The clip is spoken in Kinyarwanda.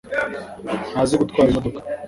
ntazi gutwara imodoka